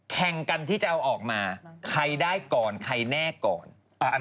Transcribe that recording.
แข่งกันที่จะเอาออกมาใครได้ก่อนใครแน่ก่อน